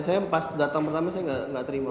saya pas datang pertama saya nggak terima